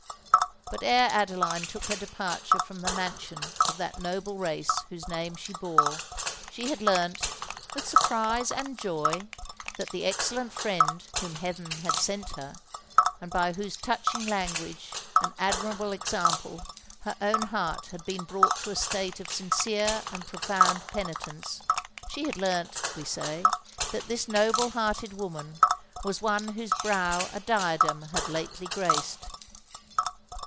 But ere Adeline took her departure from the mansion of that noble race whose name she bore, she had learnt, with surprise and joy, that the excellent friend whom heaven had sent her, and by whose touching language and admirable example her own heart had been brought to a state of sincere and profound penitence,—she had learnt, we say, that this noble hearted woman was one whose brow a diadem had lately graced!